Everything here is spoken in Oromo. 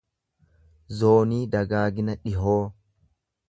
zoonii dagaagina dhihoo